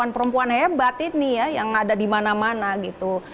dan perempuan hebat ini ya yang ada di mana mana gitu